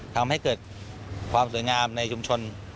ทำให้เกิดความสวยงามในชุมชน